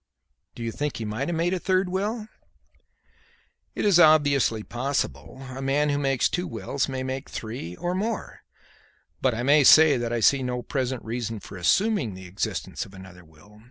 "Do you think he might have made a third will?" "It is obviously possible. A man who makes two wills may make three or more; but I may say that I see no present reason for assuming the existence of another will.